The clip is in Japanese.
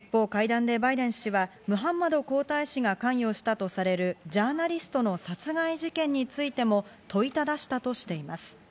一方、会談でバイデン氏はムハンマド皇太子が関与したとされるジャーナリストの殺害事件についても問いただしたとしています。